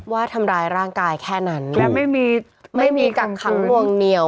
ว่าทำร้ายร่างกายแค่นั้นและไม่มีไม่มีกักขังนวงเหนียว